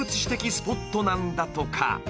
スポットなんだとか］